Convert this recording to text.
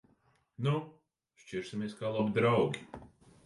Nu! Šķirsimies kā labi draugi.